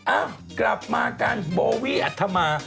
อ้าวกลับมากันโบวี่อัธมา